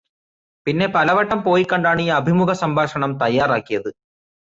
പിന്നെ പലവട്ടം പോയിക്കണ്ടാണ് ഈ അഭിമുഖസംഭാഷണം തയ്യാറാക്കിയത്.